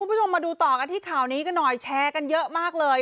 คุณผู้ชมมาดูต่อกันที่ข่าวนี้กันหน่อยแชร์กันเยอะมากเลย